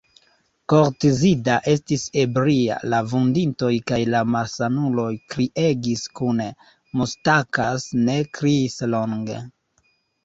Koltzida estis ebria; la vunditoj kaj la malsanuloj kriegis kune; Mustakas ne kriis longe.